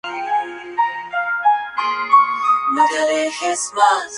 La biblioteca de la Comunidad de Madrid lleva su nombre: Biblioteca Regional Joaquín Leguina.